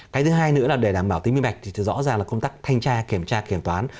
cái thứ hai nữa là để đảm bảo tính minh bạch thì rõ ràng là công tác thanh tra kiểm tra kiểm toán